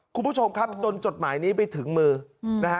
คุณผู้ชมครับจนจดหมายนี้ไปถึงมือนะฮะ